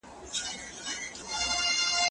زه له سهاره پوښتنه کوم؟!